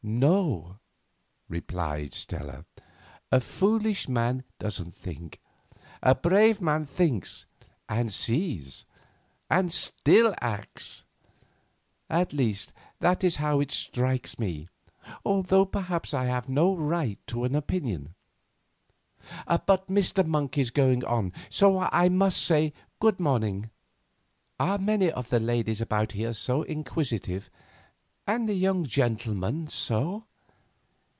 "No," replied Stella, "a foolish man doesn't think, a brave man thinks and sees, and still acts—at least, that is how it strikes me, although perhaps I have no right to an opinion. But Mr. Monk is going on, so I must say good morning." "Are many of the ladies about here so inquisitive, and the young gentlemen so?"